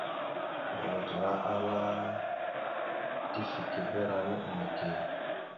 Wal gaŋa ala : tifekeberánaɗ neke.